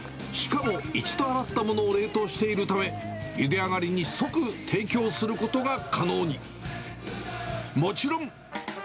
しかも一度洗ったものを冷凍しているため、ゆで上がりに即提供することが可能に。